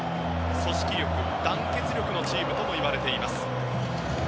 組織力、団結力のチームともいわれています。